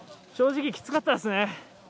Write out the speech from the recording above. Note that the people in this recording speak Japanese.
正直、きつかったですね。